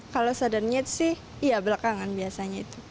kalau sadarnya itu sih iya belakangan biasanya itu